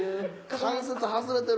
関節外れてる？